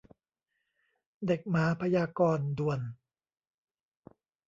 เด็กหมาพยากรณ์ ด่วน !